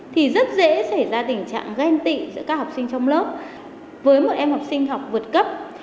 thì rất dễ xảy ra tình trạng ghen tị giữa các học sinh trong lớp với một em học sinh học vượt cấp